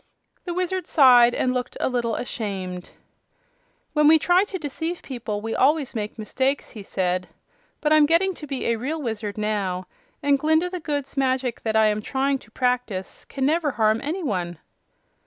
The Wizard sighed and looked a little ashamed. "When we try to deceive people we always make mistakes," he said. "But I'm getting to be a real wizard now, and Glinda the Good's magic, that I am trying to practice, can never harm any one."